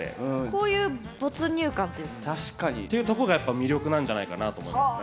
こういう没入感というか。というとこがやっぱ魅力なんじゃないかなと思いますね。